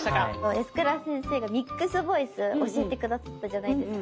安倉先生がミックスボイス教えて下さったじゃないですか。